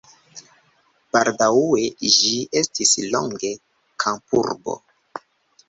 Baldaŭe ĝi estis longe kampurbo.